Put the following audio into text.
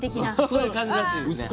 そういう感じらしいですね。